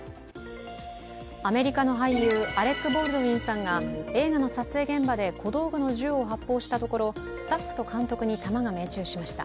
アメリカの俳優、アレック・ボールドウィンさんが映画の撮影現場で小道具の銃を発砲したところスタッフと監督に弾が命中しました。